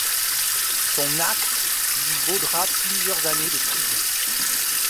Son acte lui vaudra plusieurs années de prison.